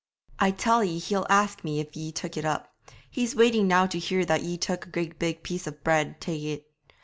'I tell ye he'll ask me if ye took it up. He's waiting now to hear that ye took a great big piece of bread tae it.